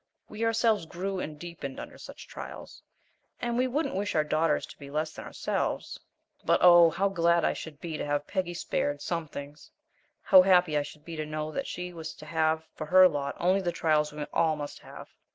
We ourselves grew and deepened under such trials, and we wouldn't wish our daughters to be less than ourselves; but, oh, how glad I should be to have Peggy spared some things! How happy I should be to know that she was to have for her lot only the trials we all must have!